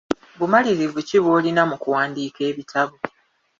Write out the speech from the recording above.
Bumanyirivu ki bw'olina mu kuwandiika ebitabo?